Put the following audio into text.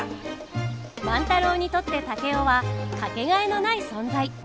万太郎にとって竹雄は掛けがえのない存在。